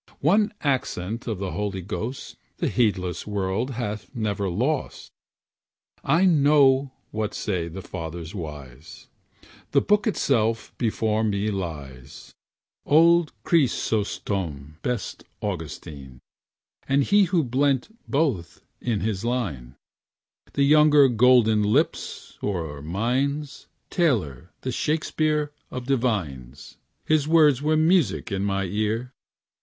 One accent of the Holy Ghost The heedless world hath never lost. I know what say the fathers wise, The Book itself before me lies, Old Chrysostom, best Augustine, And he who blent both in his line, The younger Golden Lips or mines, Taylor, the Shakespeare of divines. His words are music in my ear.